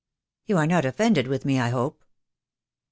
"You are not offended with me I hope?"